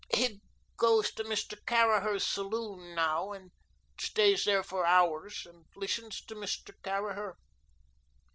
He goes to Mr. Caraher's saloon now, and stays there for hours, and listens to Mr. Caraher.